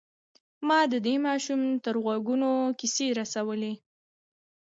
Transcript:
ما د دې ماشوم تر غوږونو کيسې رسولې.